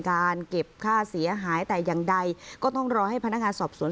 การเก็บค่าเสียหายแต่อย่างใดก็ต้องรอให้พนักงานสอบสวน